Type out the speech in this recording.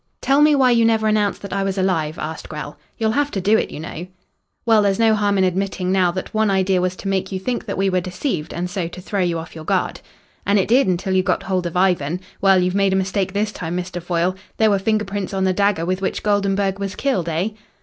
"Tell me why you never announced that I was alive?" asked Grell. "You'll have to do it, you know." "Well, there's no harm in admitting now that one idea was to make you think that we were deceived, and so to throw you off your guard." "And it did until you got hold of Ivan. Well, you've made a mistake this time, Mr. Foyle. There were finger prints on the dagger with which Goldenburg was killed, eh?"